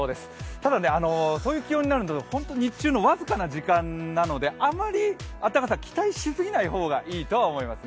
ただね、そういう気温になるのは日中の僅かな時間なのであまり暖かさ、期待しすぎない方がいいと思いますね。